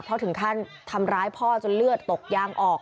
เพราะถึงขั้นทำร้ายพ่อจนเลือดตกยางออก